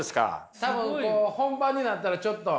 多分こう本番になったらちょっと。